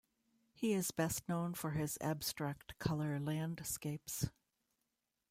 He is best known for his abstract colour landscapes.